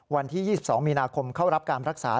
วันที่๒๒มีนาคมเข้ารับการรักษา